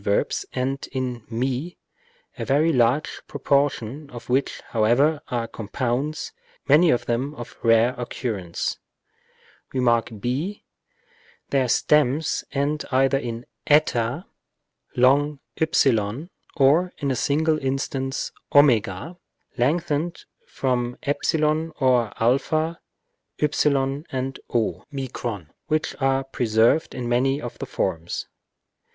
verbs end in ju, a very large proportion of which, however, are compounds, many of them of rare occurrence. Rem. ὃ. Their stems end either in ἡ, ὕ, or (in a single instance) w, lengthened from ε or ἃ, ὕ and o, which are preserved in many of the forms.